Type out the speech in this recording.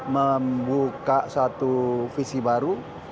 membuka suatu visi baru